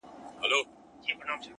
د ژوند د دې تصوير و هري خوا ته درېږم!